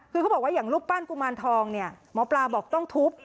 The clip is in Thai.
คือเขาบอกว่าอย่างรูปปั้นกุมารทองเนี่ยหมอปลาบอกต้องทุบ